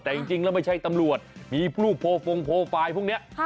แต่จริงแล้วไม่ใช่ตำรวจมีรูปโพฟงโปรไฟล์พวกนี้